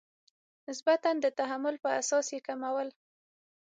نسبتا د تحمل په اساس یې کمول.